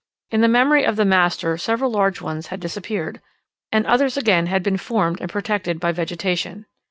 In the memory of the master several large ones had disappeared, and others again had been formed and protected by vegetation.